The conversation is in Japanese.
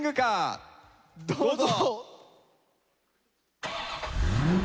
どうぞ。